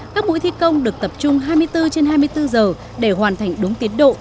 các mũi thi công được tập trung hai mươi bốn trên hai mươi bốn giờ để hoàn thành đúng tiến độ